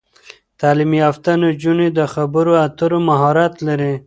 تعلیم یافته نجونې د خبرو اترو مهارت لري.